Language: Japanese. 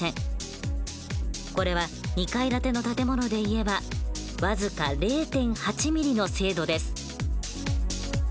これは２階建ての建物でいえば僅か０．８ｍｍの精度です。